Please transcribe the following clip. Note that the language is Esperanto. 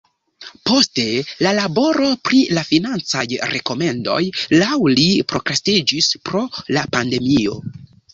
Poste la laboro pri la financaj rekomendoj laŭ li prokrastiĝis pro la pandemio.